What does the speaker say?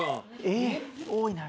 えっ多いな今日。